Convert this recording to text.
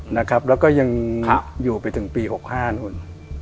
แล้วก็ยังอยู่ไปถึงปี๖๕นู่น